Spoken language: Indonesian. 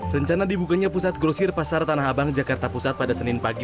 rencana dibukanya pusat grosir pasar tanah abang jakarta pusat pada senin pagi